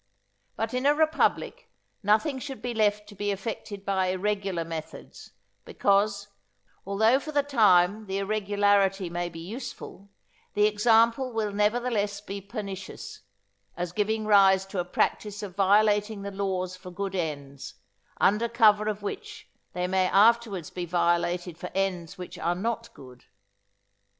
But in a republic nothing should be left to be effected by irregular methods, because, although for the time the irregularity may be useful, the example will nevertheless be pernicious, as giving rise to a practice of violating the laws for good ends, under colour of which they may afterwards be violated for ends which are not good.